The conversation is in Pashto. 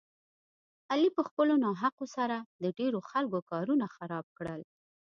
علي په خپلو ناحقو سره د ډېرو خلکو کارونه خراب کړل.